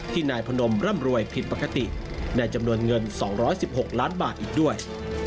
นายพนมร่ำรวยผิดปกติในจำนวนเงิน๒๑๖ล้านบาทอีกด้วย